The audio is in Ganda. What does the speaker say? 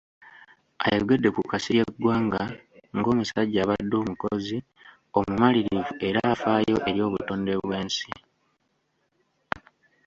Ayogedde ku Kasirye Ggwanga ng'omusajja abadde omukozi, omumalirivu era afaayo eri obutonde bwensi.